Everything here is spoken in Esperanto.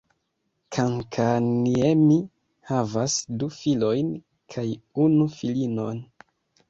Kankaanniemi havas du filojn kaj unu filinon.